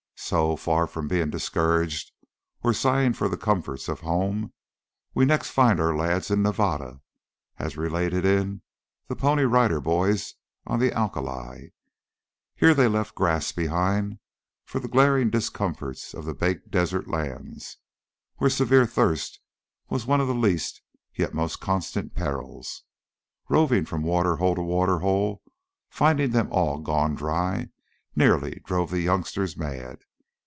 So, far from being discouraged, or sighing for the comforts of home, we next find our lads in Nevada, as related in "The Pony Rider Boys on the Alkali." Here they left grass behind for the glaring discomforts of the baked desert lands, where severe thirst was one of the least yet most constant perils. Roving from water hole to water hole, finding them all gone dry, nearly drove the youngsters mad.